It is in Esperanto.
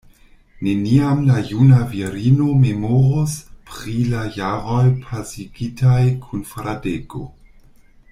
Neniam la juna virino memoros pri la jaroj pasigitaj kun Fradeko.